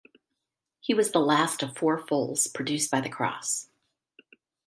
He was the last of four foals produced by the cross.